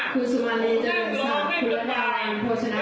ผมไม่ช้ามากอีกบ่ายแล้วทำไมผมไม่ได้พบกับเธอ